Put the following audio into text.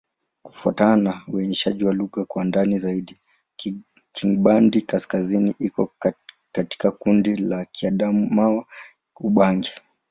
Kufuatana na uainishaji wa lugha kwa ndani zaidi, Kingbandi-Kaskazini iko katika kundi la Kiadamawa-Ubangi.